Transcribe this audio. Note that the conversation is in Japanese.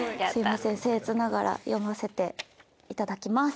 せんえつながら読ませていただきます。